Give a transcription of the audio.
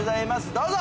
どうぞ！